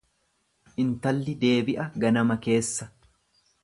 Intalli deebi'a ganama keessa.